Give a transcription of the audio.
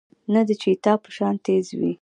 نۀ د چيتا پۀ شان تېز وي